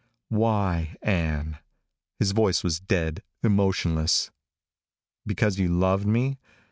"Why, Ann?" His voice was dead, emotionless. "Because you loved me?